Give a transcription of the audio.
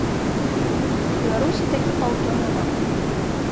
Беларусі такіх аўто няма.